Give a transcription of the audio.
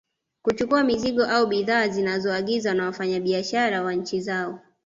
Kuchukua mizigo au bidhaa zinazoagizwa na wafanya biashara wa nchi zao